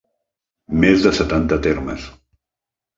Més de setanta termes.